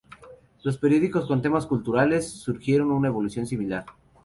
Los periódicos con temas culturales siguieron una evolución similar.